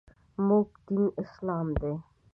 موږ دین اسلام دی .